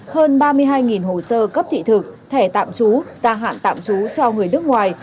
hơn ba mươi hai hồ sơ cấp thị thực thẻ tạm trú gia hạn tạm trú cho người nước ngoài